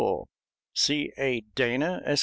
C. A. DANA, Esq.